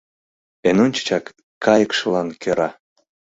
Эн ончычак кайыкшылан кӧра.